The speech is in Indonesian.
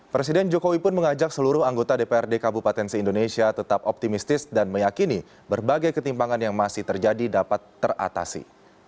presiden jokowi pun mengajak seluruh anggota dprd kabupaten se indonesia tetap optimistis dan meyakini berbagai ketimpangan yang masih terjadi dapat teratasi